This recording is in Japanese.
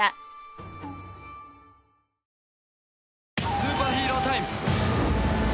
スーパーヒーロータイム。